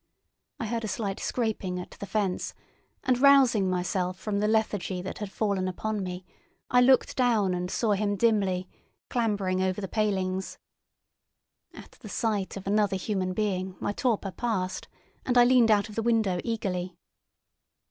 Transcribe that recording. I heard a slight scraping at the fence, and rousing myself from the lethargy that had fallen upon me, I looked down and saw him dimly, clambering over the palings. At the sight of another human being my torpor passed, and I leaned out of the window eagerly.